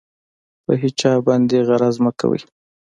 په هېچا باندې غرض مه کوئ.